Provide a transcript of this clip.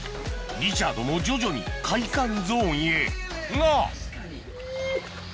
リチャードも徐々に快感ゾーンへが！